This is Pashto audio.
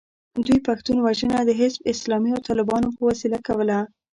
دوی پښتون وژنه د حزب اسلامي او طالبانو په وسیله کوله.